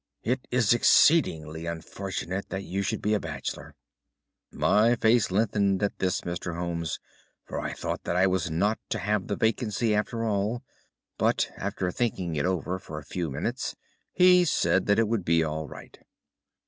It is exceedingly unfortunate that you should be a bachelor.' "My face lengthened at this, Mr. Holmes, for I thought that I was not to have the vacancy after all; but after thinking it over for a few minutes he said that it would be all right.